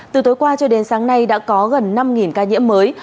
từ tối qua cho đến sáng nay đã có gần năm ca nhiễm mới